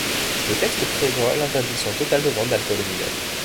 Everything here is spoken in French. Le texte prévoit l'interdiction totale de vente d'alcool aux mineurs.